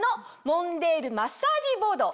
モンデールマッサージボード。